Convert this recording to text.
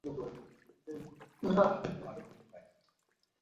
তার আতঙ্ক আরো বৃদ্ধি পায়।